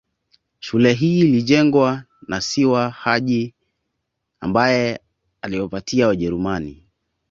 Shule hii ilijengwa na Sewa Haji ambaye aliwapatia Wajerumani